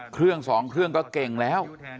เครื่องสองเครื่องก็เก่งแล้ว